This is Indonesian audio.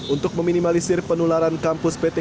untuk meminimalisir penularan kampus pt